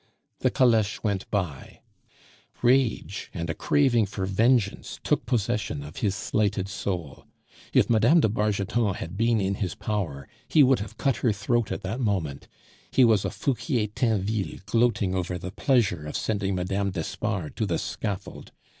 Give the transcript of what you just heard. The caleche went by. Rage and a craving for vengeance took possession of his slighted soul. If Mme. de Bargeton had been in his power, he could have cut her throat at that moment; he was a Fouquier Tinville gloating over the pleasure of sending Mme. d'Espard to the scaffold.